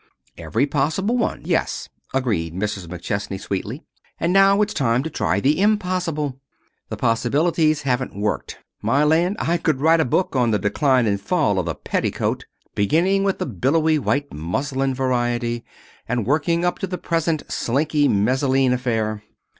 "Every possible one, yes," agreed Mrs. McChesney, sweetly. "And now it's time to try the impossible. The possibilities haven't worked. My land! I could write a book on the Decline and Fall of the Petticoat, beginning with the billowy white muslin variety, and working up to the present slinky messaline affair.